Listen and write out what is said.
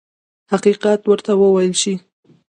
حقیقت ورته وویل شي.